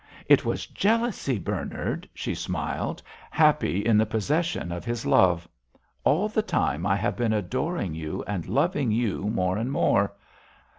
"It was jealousy, Bernard," she smiled, happy in the possession of his love. "All the time I have been adoring you and loving you more and more.